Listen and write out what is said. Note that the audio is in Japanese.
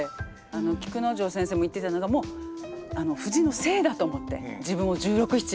菊之丞先生も言ってたのがもう藤の精だと思って自分を１６１７の。